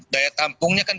daya tampungnya kan